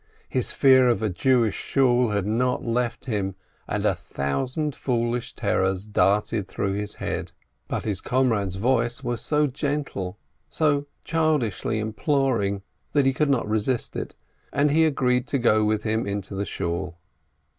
His fear of a Jewish Shool had not left him, and a thousand foolish terrors darted through his head. But his comrade's voice was so gentle, so childishly imploring, that he could not resist it, and he agreed to go with him into the Shool.